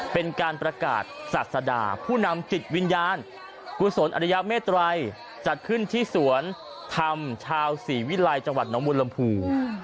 เป็นการประกาศศาสดาผู้นำจิตวิญญาณกุศลอริยเมตรัยจัดขึ้นที่สวนธรรมชาวศรีวิลัยจังหวัดน้องมุลำพู